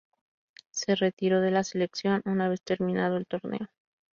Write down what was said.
Se retiró de la selección una vez terminado el torneo.